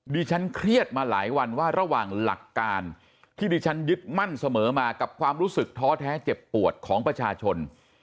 ฉันเครียดมาหลายวันว่าระหว่างหลักการที่ดิฉันยึดมั่นเสมอมากับความรู้สึกท้อแท้เจ็บปวดของประชาชน